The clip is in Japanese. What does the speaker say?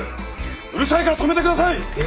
うるさいから止めて下さい！え！？